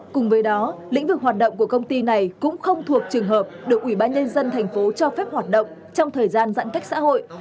cùng với đó lĩnh vực hoạt động của công ty này cũng không thuộc trường hợp được ubnd tp cho phép hoạt động trong thời gian giãn cách xã hội